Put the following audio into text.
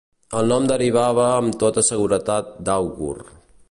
El nom derivava amb tota seguretat d'àugur.